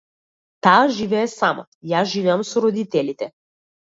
Таа живее сама, јас живеам со родителите.